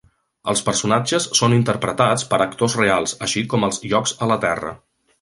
Els personatges són interpretats per actors reals, així com els llocs a la Terra.